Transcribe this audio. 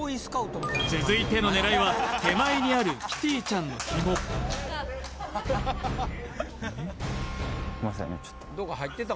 続いての狙いは手前にあるキティちゃんのヒモうん？